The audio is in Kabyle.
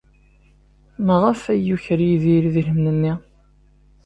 Maɣef ay yuker Yidir idrimen-nni?